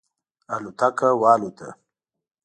الوتکه والوته.